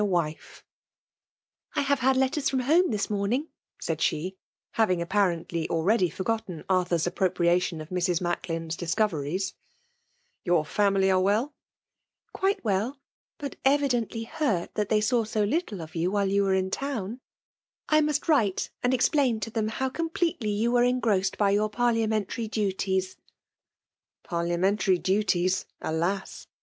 a wife 1 ^ I have had (letters irom home lUs nom^ ing/* said she, having appoisatly already ftflr* gotten* Arthur's appropriation of Mrs. Mtfck fiaV discoveries* Your family are well ?"— Quite well; but evidently hurt that tbsy ■aw so little of you while you wete in toMi. I must waite and eaqplain to them how com fdetely you were engrossed l^ your pat* liameutary duties." . (Parliamentary duties! — alas!